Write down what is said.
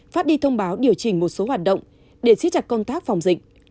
phát đi thông báo điều chỉnh một số hoạt động để xích chặt công tác phòng dịch